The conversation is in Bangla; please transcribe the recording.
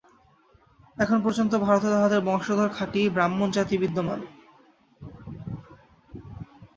এখনও পর্যন্ত ভারতে তাঁহাদের বংশধর খাঁটি ব্রাহ্মণ-জাতি বিদ্যমান।